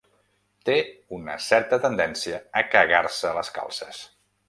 Té una certa tendència a cagar-se les calces.